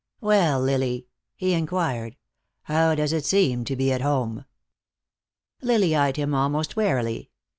"Well, Lily," he inquired, "how does it seem to be at home?" Lily eyed him almost warily.